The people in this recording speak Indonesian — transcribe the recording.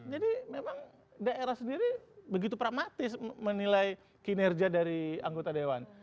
jadi memang daerah sendiri begitu pragmatis menilai kinerja dari anggota dewan